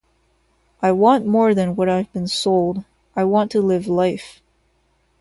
I want more than what I've been sold; I want to live life.